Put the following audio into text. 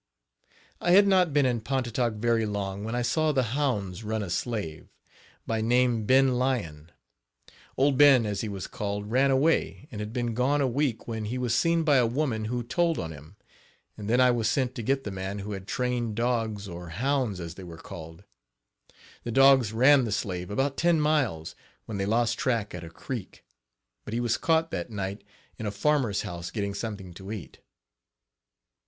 I had not been at Pontotoc very long when I saw the hounds run a slave, by name Ben Lyon. "Old Ben," as he was called, ran away and had been gone a week when he was seen by a woman who "told on him," and then I was sent to get the man who had trained dogs, or hounds as they were called. The dogs ran the slave about ten miles when they lost track at a creek, but he was caught that night in a farmer's house getting something to eat.